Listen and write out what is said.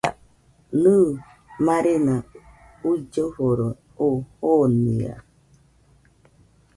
Nɨ, marena uilloforo oo jonia